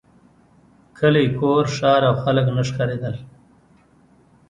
کلی کور ښار او خلک نه ښکارېدل.